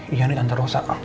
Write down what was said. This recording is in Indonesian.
iya nih antar rosa bentar